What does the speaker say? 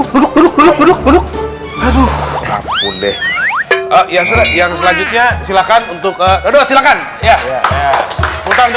selesai kan berduk duk aduh ampun deh yang selanjutnya silakan untuk ke dua silakan ya